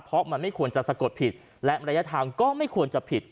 เพราะมันไม่ควรจะสะกดผิดและระยะทางก็ไม่ควรจะผิด